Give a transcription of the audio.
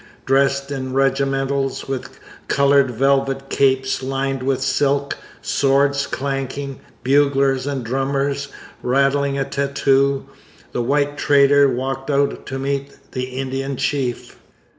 Dressed in regimentals, with coloured velvet capes lined with silk, swords clanking, buglers and drummers rattling a tattoo, the white trader walked out to meet the Indian chief.